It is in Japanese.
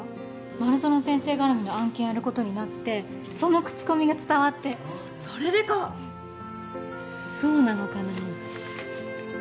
丸園先生絡みの案件やることになってそのクチコミが伝わってそれでかそうなのかな？